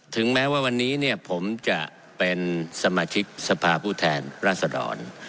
ถึงแม้ว่าวันนี้เนี่ยผมจะเป็นสมาชิกสภาผู้แทนราษดร